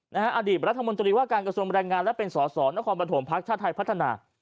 นะฮะอดีตรัฐมนตรีว่าการกระทรวมแรงงานและเป็นส่อนครบันโถมภาคชาติไทยพัฒนา